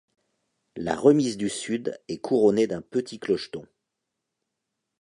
La remise du sud est couronnée d'un petit clocheton.